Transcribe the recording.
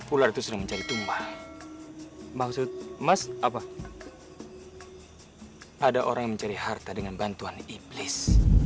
ular itu sudah mencari tumba maksud mas apa ada orang mencari harta dengan bantuan iblis